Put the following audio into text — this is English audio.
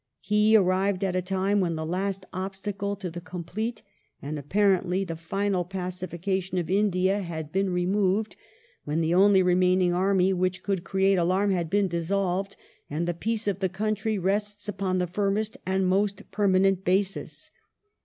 He arrived at a time when the last obstacle to the com plete and apparently the final pacification of India has been re moved ; when the only remaining army which could create alarm has been dissolved ; and the peace of the country rests upon the firmest and most permanent basis.